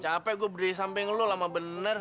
capek gue berdiri samping lo lama bener